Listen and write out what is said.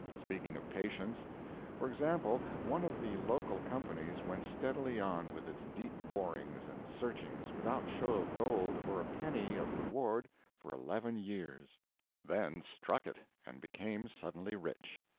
Speaking of patience; for example, one of the local companies went steadily on with its deep borings and searchings without show of gold or a penny of reward for eleven years then struck it, and became suddenly rich.